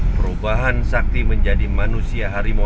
perubahan sakti menjadi manusia harimau